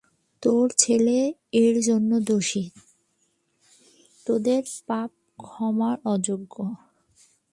তোর ছেলে এর জন্য দোষী, তোদের পাপ ক্ষমার অযোগ্য।